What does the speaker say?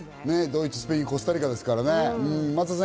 ドイツ、スペイン、コスタリカですかね。